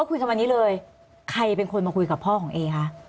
คุยกันวันนี้เลยใครเป็นคนมาคุยกับพ่อของเอคะ